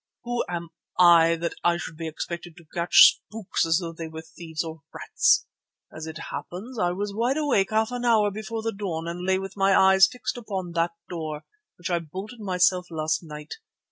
Who am I that I should be expected to catch spooks as though they were thieves or rats? As it happens I was wide awake half an hour before the dawn and lay with my eyes fixed upon that door, which I bolted myself last night.